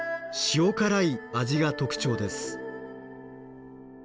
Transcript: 塩辛い味が特徴です。